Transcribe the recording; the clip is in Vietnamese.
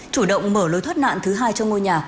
chủ động mở lối thoát nạn thứ hai cho ngôi nhà